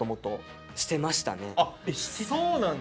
そうなんだ！